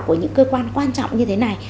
của những cơ quan quan trọng như thế này